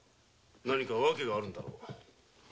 何か訳があるんだろう。